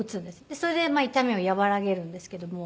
それで痛みを和らげるんですけども。